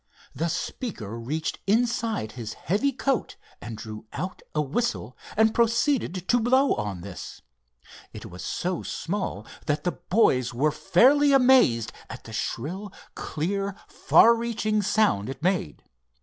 The speaker reached inside his heavy coat and drew out a whistle, and proceeded to blow on this. It was so small that the boys were fairly amazed at the shrill, clear, far reaching sound it made.